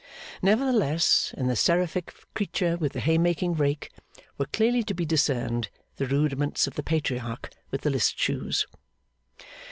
Nevertheless, in the Seraphic creature with the haymaking rake, were clearly to be discerned the rudiments of the Patriarch with the list shoes.